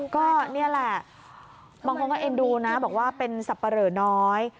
ก็นี่แหละบางคนก็เอ็นดูนะบอกว่าเป็นสับปะเหลอน้อย